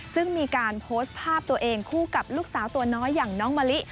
ซึ่งมีการโพสต์ภาพตัวเองคู่กับลูกสาวตัวน้อยอย่างน้องมะลิ